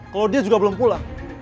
kalau dia juga belum pulang